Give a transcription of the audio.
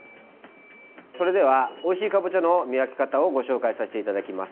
それではおいしいかぼちゃの見分け方をご紹介させていただきます。